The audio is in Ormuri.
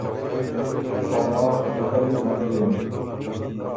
او ماخ میخلّي نک يېن۔